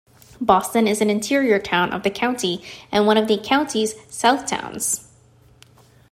Boston is an interior town of the county and one of the county's "Southtowns".